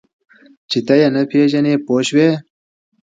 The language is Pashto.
چې ته یې نه پېژنې پوه شوې!.